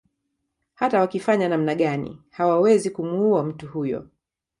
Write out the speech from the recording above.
Hata wakifanya namna gani hawawezi kumuua mtu huyo